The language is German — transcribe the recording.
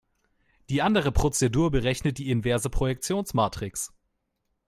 Die andere Prozedur berechnet die inverse Projektionsmatrix.